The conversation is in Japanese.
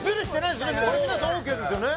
これ皆さんＯＫですよね